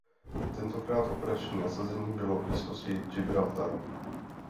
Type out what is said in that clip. Tentokrát operační nasazení bylo v blízkosti Gibraltaru.